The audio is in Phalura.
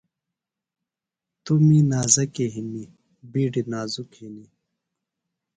نیۡ می نازکیۡ ہِنیۡ بِیڈیۡ نازُک ہِنیۡ